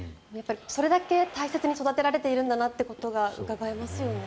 それだけ大切に育てられているんだなということがうかがえますよね。